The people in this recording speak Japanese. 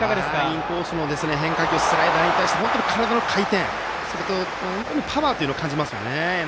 インコースの変化球スライダーに対して本当に体の回転とパワーを感じますよね。